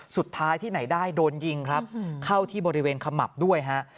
สุดท้ายที่ไหนได้โดนยิงครับเข้าที่บริเวณขมับด้วยฮะ